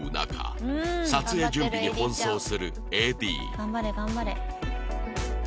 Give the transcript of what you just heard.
頑張れ頑張れ。